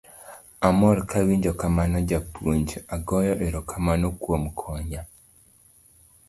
Amor kawinjo kamano japuonj, agoyo ero kamano kuom konya.